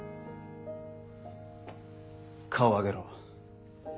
顔を上げろ。